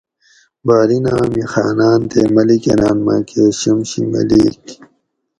بحریناۤں امی خاۤناۤن تے ملیکاۤناۤن ماۤکہ شمشی ملیک